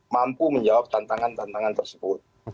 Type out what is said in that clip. mampu menjawab tantangan tantangan tersebut